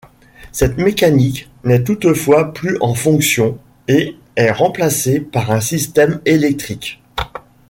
Cette mécanique n'est toutefois plus en fonction, et est remplacée par un système électrique.